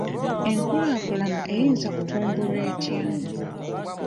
Enkulaakulana eyinza kutumbulwa etya?